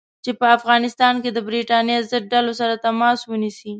چې په افغانستان کې د برټانیې ضد ډلو سره تماس ونیسي.